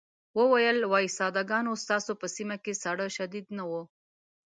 وویل وای ساده ګانو ستاسو په سيمه کې ساړه شديد نه وو.